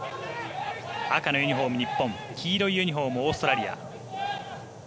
赤のユニフォーム、日本黄色いユニフォームオーストラリア。